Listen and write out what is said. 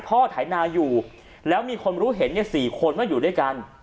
ไถนาอยู่แล้วมีคนรู้เห็น๔คนว่าอยู่ด้วยกัน